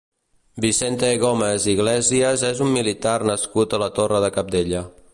Vicente Gómez Iglesias és un militar nascut a la Torre de Cabdella.